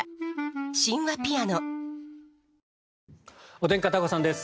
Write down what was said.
お天気、片岡さんです。